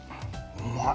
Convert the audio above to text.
うまい。